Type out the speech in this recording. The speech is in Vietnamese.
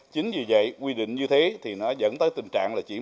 chính vì vậy quy định như thế thì nó dẫn tới tình trạng là chỉ